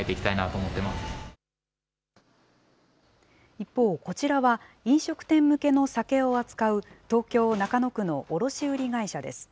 一方、こちらは飲食店向けの酒を扱う、東京・中野区の卸売り会社です。